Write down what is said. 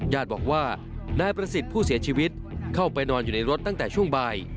ญาติบอกว่านายประสิทธิ์ผู้เสียชีวิตเข้าไปนอนอยู่ในรถตั้งแต่ช่วงบ่าย